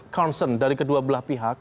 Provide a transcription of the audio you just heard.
concern dari kedua belah pihak